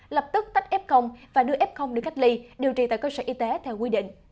lập tức tách f và đưa f đi cách ly điều trị tại cơ sở y tế theo quy định